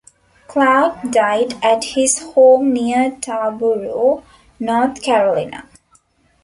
Clark died at his home near Tarboro, North Carolina.